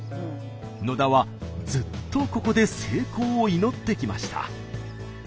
野田はずっとここで成功を祈ってきました。